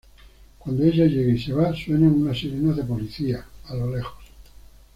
Cuando ella llega y se va, suenan unas sirenas de policía, a lo lejos.